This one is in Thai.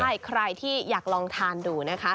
ใช่ใครที่อยากลองทานดูนะคะ